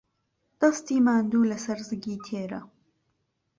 دەستی ماندوو لەسەر زگی تێرە.